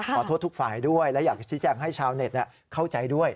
ขอโทษทุกฝ่ายด้วยและอยากชี้แจงให้ชาวเน็ตเข้าใจด้วย